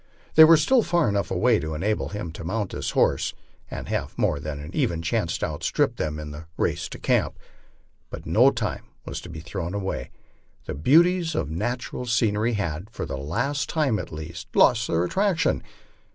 They were still far enough away to enable him to mount his horse and have more than an even chance to outstrip them in the race to camp. But no time was to be thrown away ; the beauties of natural scenery had, for the time at least, lost their attraction.